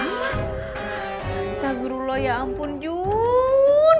astaguruloh ya ampun jun